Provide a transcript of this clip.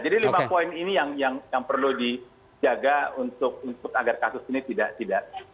jadi lima poin ini yang perlu dijaga untuk agar kasus ini tidak terjadi